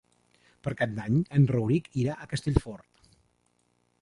Per Cap d'Any en Rauric irà a Castellfort.